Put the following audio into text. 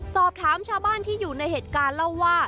สอบถามชาวบ้านที่อยู่ในเหตุการณ์เล่าว่า